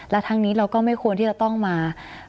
และทั้งนี้เราก็ไม่ควรที่จะต้องมา